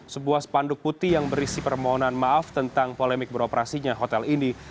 sebuah spanduk putih yang berisi permohonan maaf tentang polemik beroperasinya hotel ini